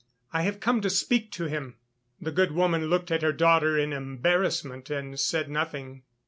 I have come to speak to him." The good woman looked at her daughter in embarrassment and said nothing.